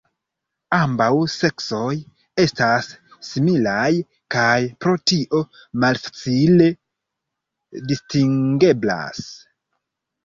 Ambaŭ seksoj estas similaj kaj pro tio malfacile distingeblas.